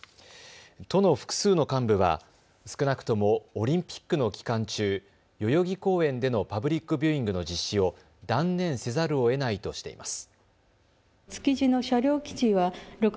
都の複数の幹部は少なくともオリンピックの期間中、代々木公園でのパブリックビューイングの実施を断念せざるをえないとしています。